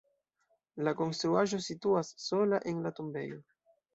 La konstruaĵo situas sola en la tombejo.